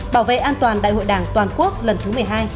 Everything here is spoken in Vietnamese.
bảo vệ an toàn đại hội đảng toàn quốc lần thứ một mươi hai